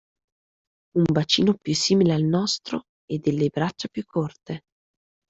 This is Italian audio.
Un bacino più simile al nostro e delle braccia più corte.